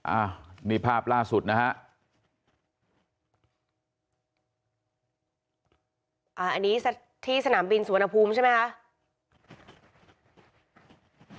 อันนี้ที่สนามบินสุวรรณภูมิใช่ไหมครับ